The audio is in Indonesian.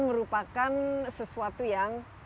merupakan sesuatu yang